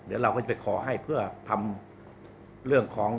เดี๋ยวเราก็จะไปขอให้เพื่อทำเรื่องของ